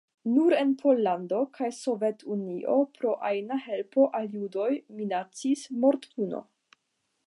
Nur en Pollando kaj Sovetunio pro ajna helpo al judoj minacis mortpuno.